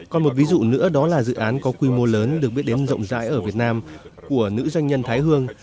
còn một ví dụ nữa đó là dự án có quy mô lớn được biết đến rộng rãi ở việt nam của nữ doanh nhân thái hương